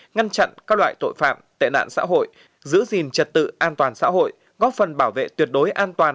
ngăn chặn các loại tội phạm tệ nạn xã hội giữ gìn trật tự an toàn xã hội góp phần bảo vệ tuyệt đối an toàn